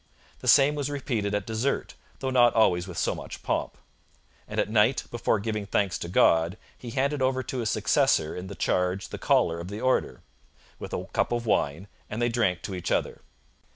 The same was repeated at dessert, though not always with so much pomp. And at night, before giving thanks to God, he handed over to his successor in the charge the collar of the Order, with a cup of wine, and they drank to each other.